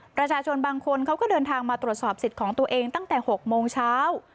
ประชาชนบางคนเขาก็เดินทางมาตรวจสอบสิทธิ์ของตัวเองตั้งแต่๖โมงเช้า